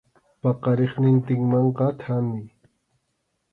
Paqariqnintinmanqa thani.